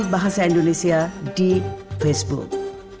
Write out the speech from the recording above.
bahasa indonesia di facebook